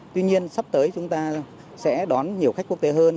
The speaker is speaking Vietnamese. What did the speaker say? tuy nhiên sắp tới chúng ta sẽ đón nhiều khách quốc tế hơn